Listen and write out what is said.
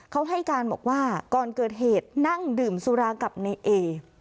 เขาให้การบอกว่าก่อนเกิดเหตุนั่งดื่มสุรากับในเอ